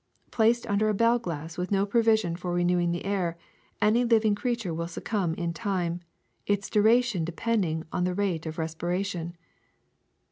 Placed under a bell glass with no provision for renewing the air, any living creature will succumb in time, its duration depending on the rate of respiration.